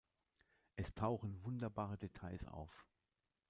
Es tauchen wunderbare Details auf.